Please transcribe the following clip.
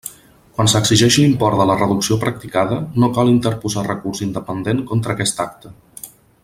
Quan s'exigeix l'import de la reducció practicada, no cal interposar recurs independent contra aquest acte.